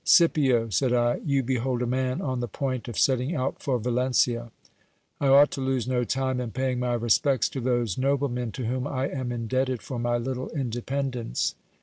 Scipio, said I, you behold a man on the point of setting out for Valencia. I ought to lose no time in paying my respects to those noblemen to whom I am indebted for my little independence.